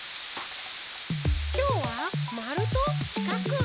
きょうはまるとしかく。